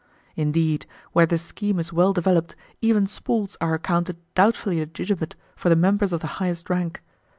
Indeed, where the scheme is well developed even sports are accounted doubtfully legitimate for the members of the highest rank.